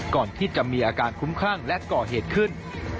ก่อนที่จะมีอาการคุ้มคลั่งและก่อเหตุขึ้น